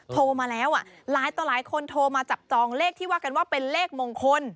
โทรมาแล้วหลายต่อหลายคนโทรมาจับจองเลขที่ว่ากันว่าเป็นเลขมงคล